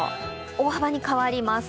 大幅に変わります。